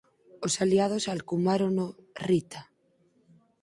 Os aliados alcumárono "Rita".